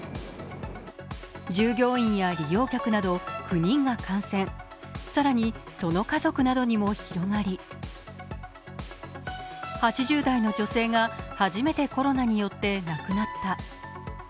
従業員や利用客など９人が感染、更に、その家族などにも広がり８０代の女性が初めてコロナによって亡くなった。